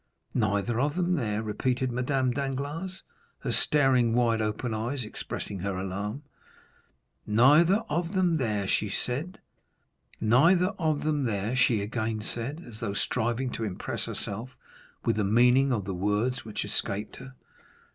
"Neither of them there?" repeated Madame Danglars, her staring, wide open eyes expressing her alarm. "Neither of them there!" she again said, as though striving to impress herself with the meaning of the words which escaped her.